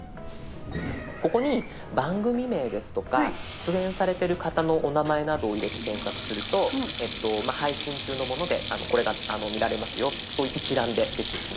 ここに番組名ですとか出演されてる方のお名前などを入れて検索すると配信中のものでこれが見られますよそういう一覧で出てきます。